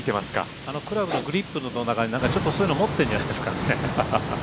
クラブのグリップの中にちょっとそういうのを持ってるんじゃないですか。